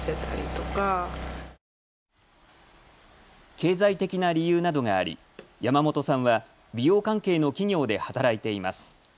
経済的な理由などがあり、山本さんは美容関係の企業で働いています。